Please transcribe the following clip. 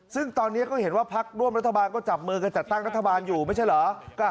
ซึ่งตอนนี้ก็เห็นว่าพักร่วมรัฐบาลก็จับมือกันจัดตั้งรัฐบาลอยู่ไม่ใช่เหรอ